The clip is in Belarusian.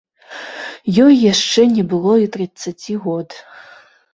Ёй яшчэ не было і трыццаці год.